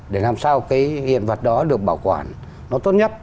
để làm sao cái hiện vật đó được bảo quản nó tốt nhất